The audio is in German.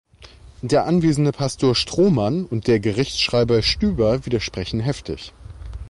Der anwesende Pastor Strohmann und der Gerichtsschreiber Stüber widersprechen heftig.